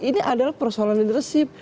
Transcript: ini adalah persoalan leadership